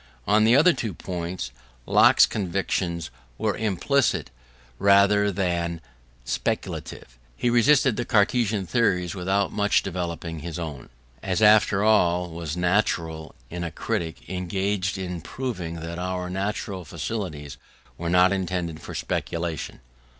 On the other two points Locke's convictions were implicit rather than speculative: he resisted the Cartesian theories without much developing his own, as after all was natural in a critic engaged in proving that our natural faculties were not intended for speculation.